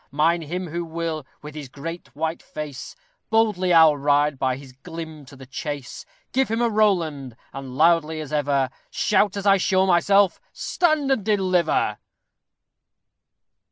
Mind him who will, with his great white face, Boldly I'll ride by his glim to the chase; Give him a Rowland, and loudly as ever Shout, as I show myself, "Stand and deliver!"